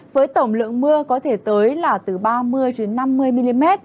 với tổng lượng mưa có thể tới là từ ba mươi năm mươi mm